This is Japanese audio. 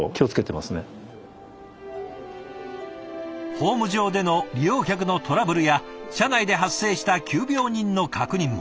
ホーム上での利用客のトラブルや車内で発生した急病人の確認も。